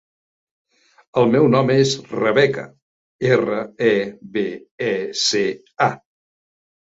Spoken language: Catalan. El meu nom és Rebeca: erra, e, be, e, ce, a.